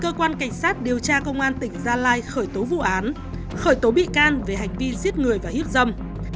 cơ quan cảnh sát điều tra công an tỉnh gia lai khởi tố vụ án khởi tố bị can về hành vi giết người và hiếp dâm